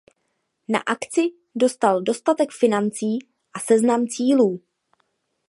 Na akci dostal dostatek financí a seznam cílů.